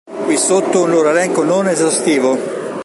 Qui sotto un loro elenco non esaustivo.